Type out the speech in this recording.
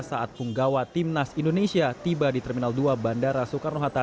saat punggawa timnas indonesia tiba di terminal dua bandara soekarno hatta